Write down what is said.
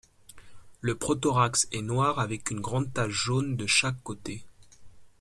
Le prothorax est noir avec une grande tache jaune de chaque côté.